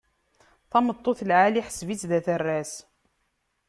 Tameṭṭut lɛali, ḥseb-itt d aterras.